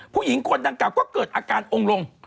ผู้หญิงคนดังกล่าก็เกิดอาการองค์ลง